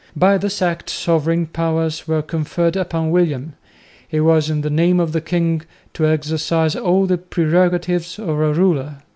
By this Act sovereign powers were conferred upon William; he was in the name of the king to exercise all the prerogatives of a ruler.